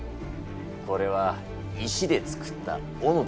これは石で作ったおのだな。